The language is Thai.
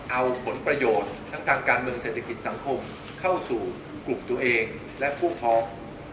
เอาผลประโยชน์ทั้งทางการเมืองเศรษฐกิจสังคมเข้าสู่กลุ่มตัวเองและพวกพ้อง